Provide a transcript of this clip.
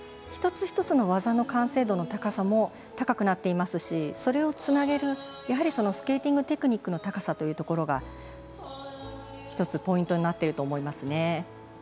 一つ一つの技の完成度の高さも高くなっていますしそれをつなげるそのスケーティングテクニックの高さというところが１つポイントになっていると思いますね。